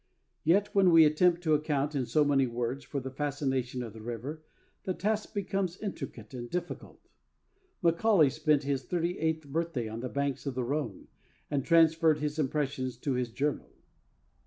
Yet, when we attempt to account in so many words for the fascination of the river, the task becomes intricate and difficult. Macaulay spent his thirty eighth birthday on the banks of the Rhone, and transferred his impressions to his journal.